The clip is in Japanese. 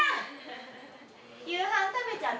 夕飯食べちゃった？